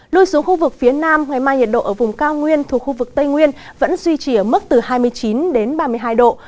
lui xuống khu vực phía nam ngày mai nhiệt độ ở vùng cao nguyên thuộc khu vực tây nguyên vẫn duy trì ở mức từ hai mươi chín đến ba mươi hai độ